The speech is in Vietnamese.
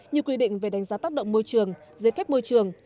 như quy định về đánh giá tác động môi trường giấy phép môi trường